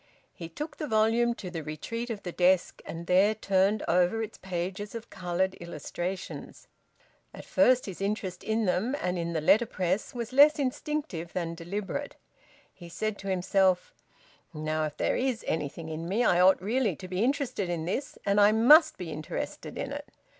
He took the volume to the retreat of the desk, and there turned over its pages of coloured illustrations. At first his interest in them, and in the letterpress, was less instinctive than deliberate. He said to himself: "Now, if there is anything in me, I ought really to be interested in this, and I must be interested in it."